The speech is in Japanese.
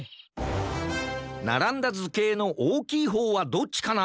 ならんだずけいのおおきいほうはどっちかな？